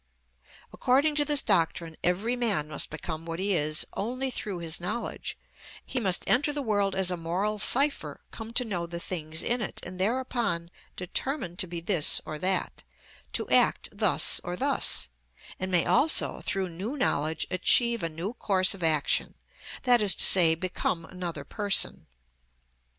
According to this doctrine every man must become what he is only through his knowledge; he must enter the world as a moral cipher come to know the things in it, and thereupon determine to be this or that, to act thus or thus, and may also through new knowledge achieve a new course of action, that is to say, become another person.